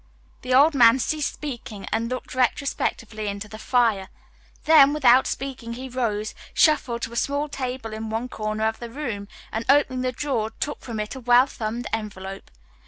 The old man ceased speaking and looked retrospectively into the fire. Then, without speaking, he rose, shuffled to a small table in one corner of the room, and opening the drawer took from it a well thumbed envelope.